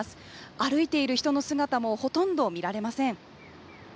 歩いている人の姿もほとんどみられません。